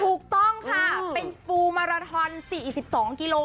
ถูกต้องค่ะเป็นฟูมาราทอน๔๑๒กิโล